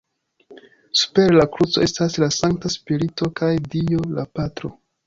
Super la kruco estas la Sankta Spirito kaj dio La Patro.